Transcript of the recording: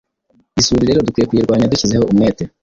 Isuri rero dukwiye kuyirwanya dushyizeho umwete